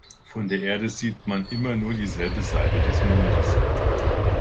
Von der Erde sieht man immer dieselbe Seite des Mondes.